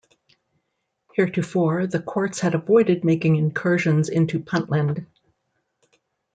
Heretofore, the courts had avoided making incursions into Puntland.